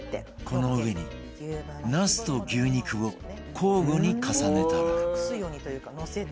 この上にナスと牛肉を交互に重ねたら